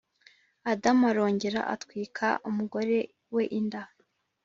Adamu arongera atwika umugore we inda